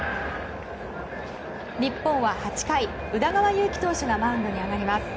日本は８回、宇田川優希投手がマウンドに上がります。